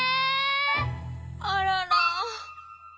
あらら。